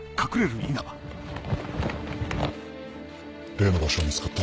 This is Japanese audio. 例の場所は見つかった？